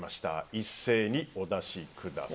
一斉にお出しください。